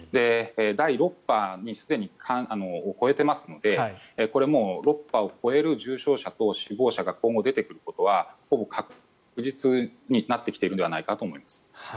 第６波をすでに超えていますのでこれも６波を超える重症者と死亡者が今後、出てくることはほぼ確実になってきているんではないかと思います。